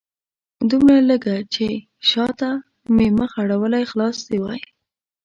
دومره لږ چې شاته مې مخ اړولی خلاص دې وای